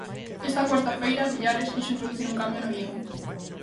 Esta cuarta feira, Villares quixo introducir un cambio no guión.